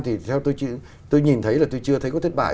thì theo tôi nhìn thấy là tôi chưa thấy có thất bại